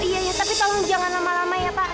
iya tapi tolong jangan lama lama ya pak